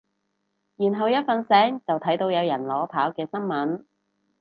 然後一瞓醒就睇到有人裸跑嘅新聞